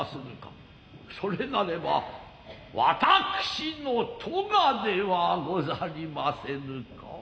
それなれば私の科ではござりませぬか。